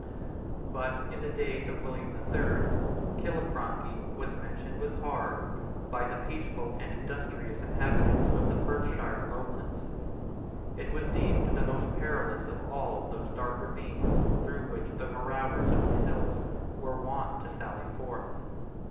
But, in the days of William the Third, Killiecrankie was mentioned with horror by the peaceful and industrious inhabitants of the Perthshire lowlands. It was deemed the most perilous of all those dark ravines through which the marauders of the hills were wont to sally forth.